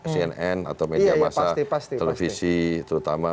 cnn atau media masa televisi terutama